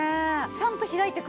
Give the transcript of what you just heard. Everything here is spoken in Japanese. ちゃんと開いてくれて。